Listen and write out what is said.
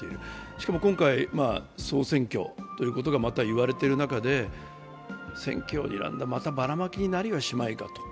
しかも、今回総選挙ということがまた言われている中で、選挙をにらんだ、またばらまきになりはしないか。